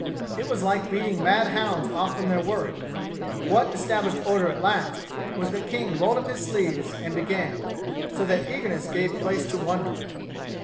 It was like beating mad hounds from off their worry. What established order at last was that King rolled up his sleeves and began, so that eagerness gave place to wonder.